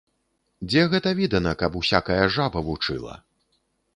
Дзе гэта відана, каб усякая жаба вучыла!